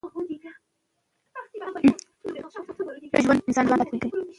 تعلیم د ټولنې اقتصادي حالت ښه کوي.